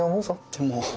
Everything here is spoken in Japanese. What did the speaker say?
でも